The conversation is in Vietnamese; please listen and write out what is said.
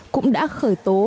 cũng đã khởi tố